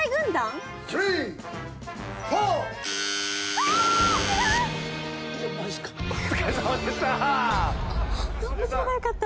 お疲れさまでした！